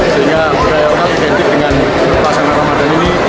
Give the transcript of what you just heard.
sehingga budaya lokal identik dengan pasangan ramadan ini